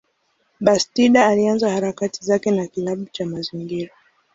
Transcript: Bastida alianza harakati zake na kilabu cha mazingira.